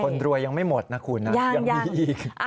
คนรวยยังไม่หมดนะคุณยังมีอีก